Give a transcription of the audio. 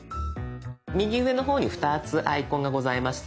右上の方に２つアイコンがございますよね。